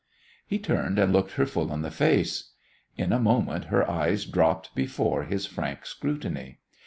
He turned and looked her full in the face. In a moment her eyes dropped before his frank scrutiny.